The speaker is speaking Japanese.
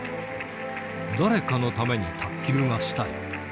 誰かのために卓球がしたい。